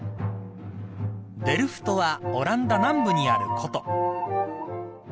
［デルフトはオランダ南部にある古都］